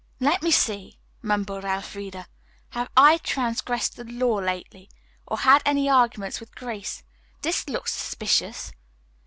"Let me see," mumbled Elfreda. "Have I transgressed the law lately, or had any arguments with Grace? This looks suspicious."